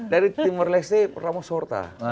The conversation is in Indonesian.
dari timur leste pertama sorta